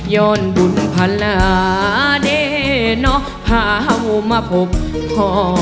ย้อนบุญพลาเดเนาะพาเฮ้ามาปุ๊บท้อ